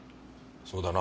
そうだな。